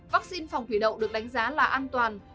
vắc xin phòng thủy đậu được đánh giá là an toàn